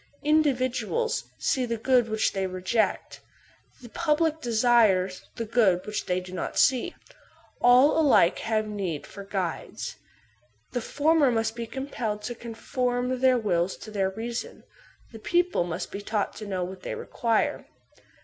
Individuals see the good which they reject; the public desire the good which they do not see. All alike have need of guides. The former must be compelled to conform their wills to their reason; the people must be taught to know what they require.